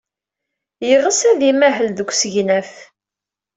Yeɣs ad imahel deg usegnaf.